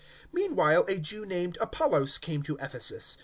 018:024 Meanwhile a Jew named Apollos came to Ephesus.